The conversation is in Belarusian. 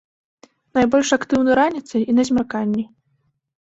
Найбольш актыўны раніцай і на змярканні.